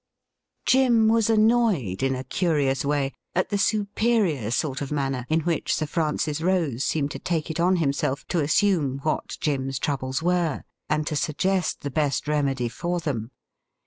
Jim 144 THE RIDDLE RING was annoyed in a curious way at the superior sort of manner in which Sir Francis Rose seemed to take it on him self to assume what Jim's troubles were, and to suggest the best remedy for them.